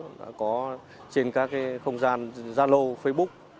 đã có trên các không gian gia lô facebook